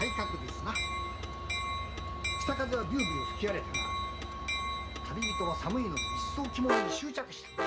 北風はビュービュー吹き荒れたが旅人は寒いのでいっそう着物に執着した。